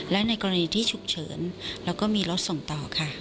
และในกรณีที่ฉุกเฉินเราก็มีรถส่งต่อค่ะ